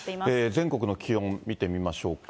全国の気温見てみましょうか。